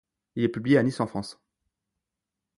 Il est publié à Nice en France.